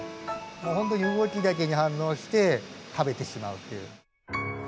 もう本当に動きだけに反応して食べてしまうっていう。